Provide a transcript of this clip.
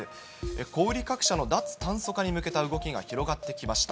小売り各社の脱炭素化に向けた動きが広がってきました。